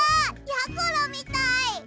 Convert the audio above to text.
やころみたい。